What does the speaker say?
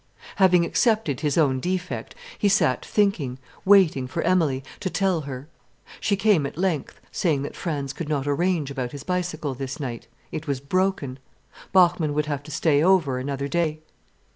Having accepted his own defect, he sat thinking, waiting for Emilie, to tell her. She came at length, saying that Franz could not arrange about his bicycle this night. It was broken. Bachmann would have to stay over another day.